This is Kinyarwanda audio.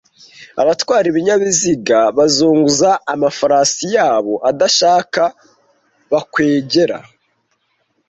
Abatwara ibinyabiziga bazunguza amafarasi yabo adashaka, bakwegera,